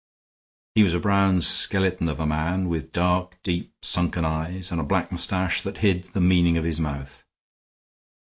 He was a brown skeleton of a man with dark, deep, sunken eyes and a black mustache that hid the meaning of his mouth.